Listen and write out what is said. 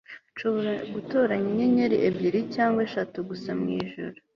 nshobora gutoranya inyenyeri ebyiri cyangwa eshatu gusa mwijuru